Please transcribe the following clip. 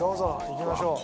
いきましょう。